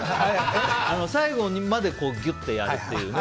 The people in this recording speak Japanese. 最後までギュってやるっていうね。